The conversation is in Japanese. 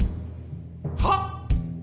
はっ！？